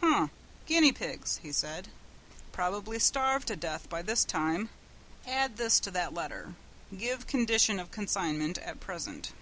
"Huh! guinea pigs!" he said. "Probably starved to death by this time! Add this to that letter: 'Give condition of consignment at present.'"